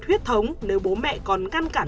huyết thống nếu bố mẹ còn ngăn cản